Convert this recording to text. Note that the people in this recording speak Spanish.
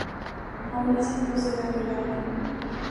Aun así, procede a violarla.